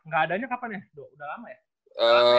gak adanya kapan ya dok udah lama ya